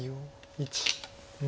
１２。